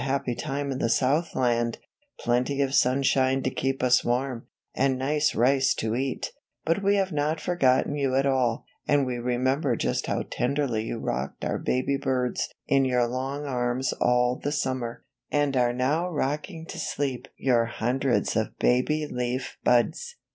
happy time in the South land, plenty of sun shine to keep us warm, and nice rice to eat; but we have not forgotten you at all, and we remember just how tenderly you rocked our baby birds in your long arms all the summer, and are now rocking to sleep your hundreds of baby leaf buds.